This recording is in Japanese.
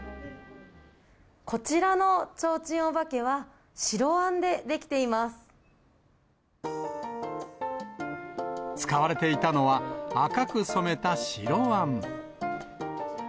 こちらのちょうちんお化けは、使われていたのは、赤く染めた白あん。